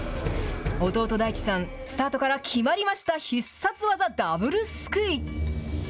弟、大智さん、スタートから決まりました、必殺技、ダブルすくい。